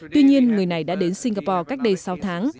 tuy nhiên người này đã đến singapore cách đây sáu tháng